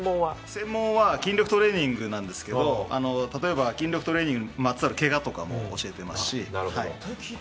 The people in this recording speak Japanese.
専門は筋力トレーニングなんですけど例えば、筋肉にまつわるけがとかも教えてますし。